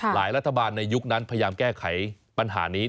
รัฐบาลในยุคนั้นพยายามแก้ไขปัญหานี้